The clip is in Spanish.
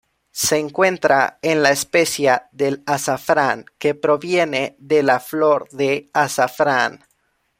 Se encuentra en la especia del azafrán, que proviene de la flor de azafrán.